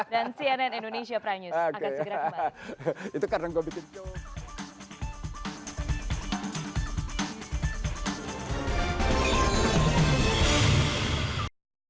dan cnn indonesia prime news akan segera kembali